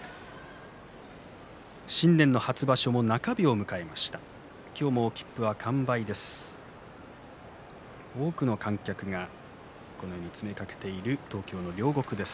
新年の初場所も中日を迎えています。